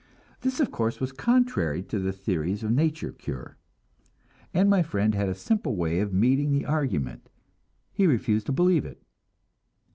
This, of course, was contrary to the theories of nature cure, and my friend had a simple way of meeting the argument he refused to believe it.